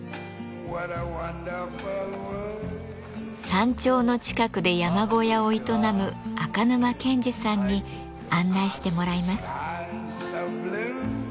山頂の近くで山小屋を営む赤沼健至さんに案内してもらいます。